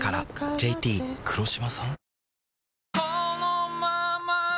ＪＴ黒島さん？